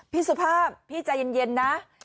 สุภาพพี่ใจเย็นนะ